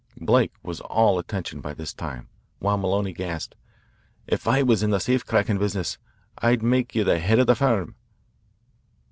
Blake was all attention by this time, while Maloney gasped, "If I was in the safe cracking business, I'd make you the head of the firm."